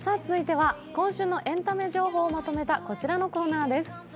続いては、今週のエンタメ情報をまとめたこちらのコーナーです。